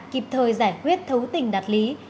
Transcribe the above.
kịp thời giải quyết thấu tình đặc lý